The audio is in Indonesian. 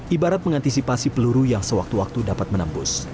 ibarat mengantisipasi peluru yang sewaktu waktu dapat menembus